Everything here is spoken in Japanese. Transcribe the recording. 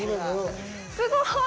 すごーい。